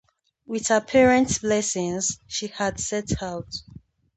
With her parents' blessings, she had set out.